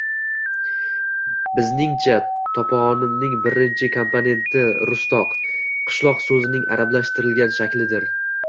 Bizningcha, toponimning birinchi komponenti “rustoq” – qishloq so‘zining arabchalashtirilgan shaklidir.